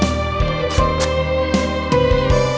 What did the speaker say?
lu udah ngapain